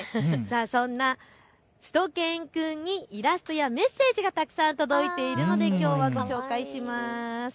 そんなしゅと犬くんにイラストやメッセージがたくさん届いているのできょうはご紹介します。